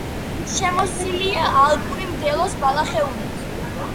შემოსილია ალპური მდელოს ბალახეულით.